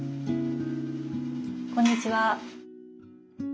こんにちは。